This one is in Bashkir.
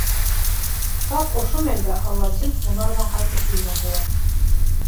Тап ошо мәлдә Аладдин һунарҙан ҡайтып килгән була.